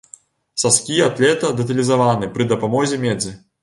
Саскі атлета дэталізаваны пры дапамозе медзі.